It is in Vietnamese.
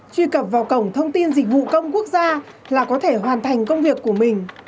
truy cập vào cổng thông tin dịch vụ công quốc gia là có thể hoàn thành công việc của mình